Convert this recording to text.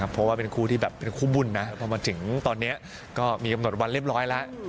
เพราะว่าเป็นคู่บุญนะพอมาถึงตอนนี้ก็มีกำหนดวันเรียบร้อยแล้ว